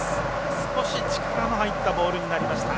少し力の入ったボールになりました。